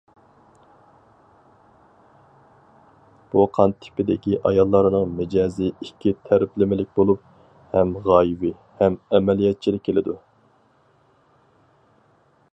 بۇ قان تىپىدىكى ئاياللارنىڭ مىجەزى ئىككى تەرەپلىمىلىك بولۇپ، ھەم غايىۋى، ھەم ئەمەلىيەتچىل كېلىدۇ.